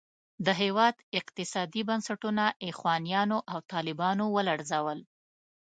د هېواد اقتصادي بنسټونه اخوانیانو او طالبانو ولړزول.